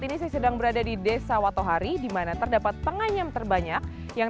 itu memang sangat membuat perubahan